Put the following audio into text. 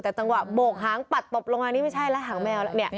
แต่เวลาบอกหางปัดปลบลงอันนี้ไม่ใช่ก่อนแมว